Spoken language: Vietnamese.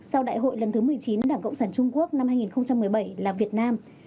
sau đại hội lần thứ một mươi chín đảng cộng sản trung quốc năm hai nghìn một mươi bảy là việt nam